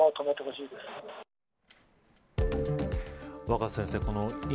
若狭先生